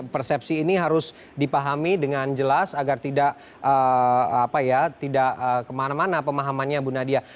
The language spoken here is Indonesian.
persepsi ini harus dipahami dengan jelas agar tidak kemana mana pemahamannya bu nadia